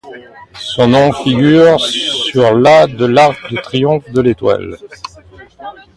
Son nom figure sur la de l'Arc de triomphe de l'Étoile.